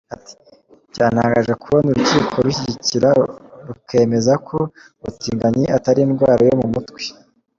Ati” Byantangaje kubona urukiko runshyigikira, rukemeza ko ubutinganyi atari indwara yo mu mutwe.